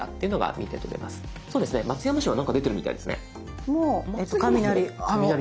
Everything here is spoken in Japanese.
そうですね松山市は何か出てるみたいですね。も雷。